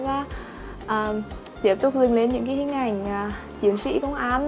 và tiếp tục dừng lên những cái hình ảnh chiến sĩ công an